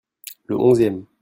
Le onzième.